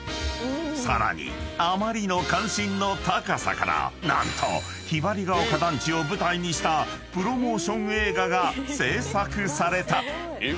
［さらにあまりの関心の高さから何とひばりが丘団地を舞台にしたプロモーション映画が製作された］